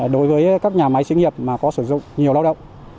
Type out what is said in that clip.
đối với các nhà máy sĩ nghiệp mà có sử dụng nhiều lao động